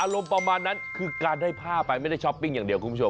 ประมาณนั้นคือการได้ผ้าไปไม่ได้ช้อปปิ้งอย่างเดียวคุณผู้ชม